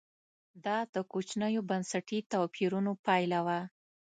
دا د کوچنیو بنسټي توپیرونو پایله وه.